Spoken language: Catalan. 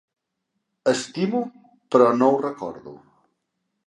Estimo, però no ho recordo.